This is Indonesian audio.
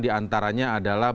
di antaranya adalah